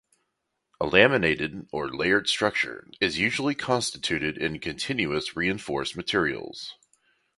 A laminated or layered structure is usually constituted in continuous reinforced materials.